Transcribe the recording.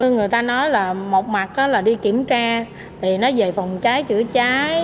người ta nói là một mặt là đi kiểm tra thì nói về phòng cháy chữa cháy